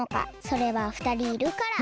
それはふたりいるから！